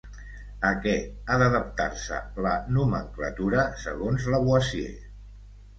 A què ha d'adaptar-se la nomenclatura segons Lavoisier?